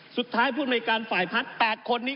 สุดท้ายผู้อเมริกาศาสตร์ฝ่ายพัฒน์๘คนนี้